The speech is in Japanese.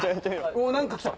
お何か来た。